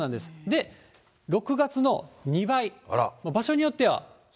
で、６月の２倍、場所によっては。